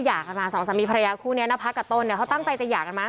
หย่ากันมาสองสามีภรรยาคู่นี้นพักกับต้นเนี่ยเขาตั้งใจจะหย่ากันมั้